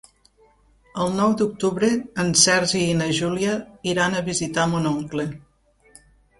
El nou d'octubre en Sergi i na Júlia iran a visitar mon oncle.